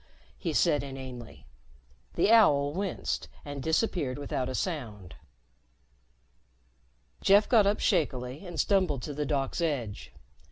he said inanely. The owl winced and disappeared without a sound. Jeff got up shakily and stumbled to the dock's edge.